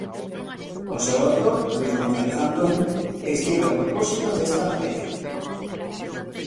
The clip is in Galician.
O seu autor, Luis González Antón, escribe a propósito desta materia: